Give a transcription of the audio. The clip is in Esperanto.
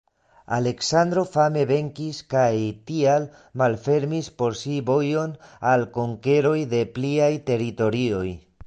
Aleksandro fame venkis kaj tial malfermis por si vojon al konkeroj de pliaj teritorioj.